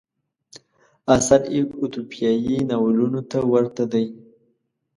اثر یې اتوپیایي ناولونو ته ورته دی.